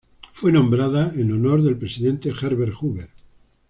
Fue nombrada en honor del presidente Herbert Hoover.